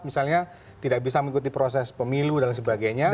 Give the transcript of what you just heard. misalnya tidak bisa mengikuti proses pemilu dan sebagainya